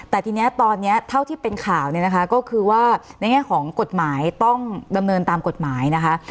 แต่ทีนี้ตอนนี้เท่าที่เป็นข่าวเนี่ยนะคะก็คือว่าในแง่ของกฎหมายต้องดำเนินตามกฎหมายนะคะ